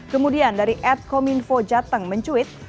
kemudian dari ad kominfo jateng mencuit